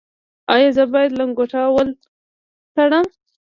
ایا زه باید لنګوټه ول تړم؟